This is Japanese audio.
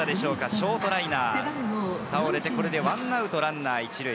ショートライナーに倒れて１アウトランナー１塁。